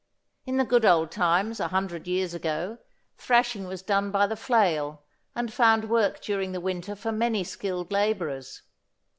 In the good old times a hundred years ago thrashing was done by the flail, and found work during the winter for many skilled labourers.